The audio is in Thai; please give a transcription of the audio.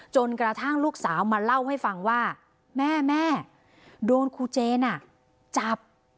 จนกระทั่งลูกสาวมาเล่าให้ฟังว่าแม่แม่โดนครูเจนจับ